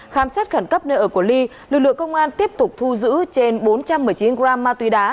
khám xét khẩn cấp nơi ở của ly lực lượng công an tiếp tục thu giữ trên bốn trăm một mươi chín gram ma túy đá